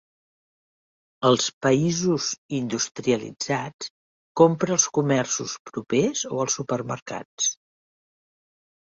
Als països industrialitzats compre als comerços propers o als supermercats.